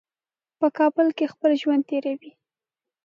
په کابل کې خپل ژوند تېروي.